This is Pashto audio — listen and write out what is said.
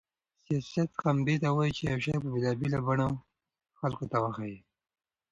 سیاست همدې ته وایي چې یو شی په بېلابېلو بڼو خلکو ته وښيي.